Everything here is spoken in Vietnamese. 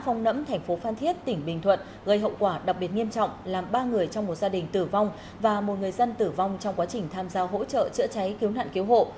phong nẫm thành phố phan thiết tỉnh bình thuận gây hậu quả đặc biệt nghiêm trọng làm ba người trong một gia đình tử vong và một người dân tử vong trong quá trình tham gia hỗ trợ chữa cháy cứu nạn cứu hộ